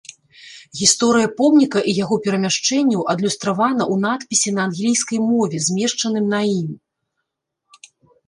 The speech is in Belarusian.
Гісторыя помніка і яго перамяшчэнняў адлюстравана ў надпісе на англійскай мове, змешчаным на ім.